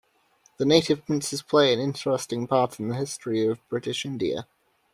The native princes play an interesting part in the history of British India.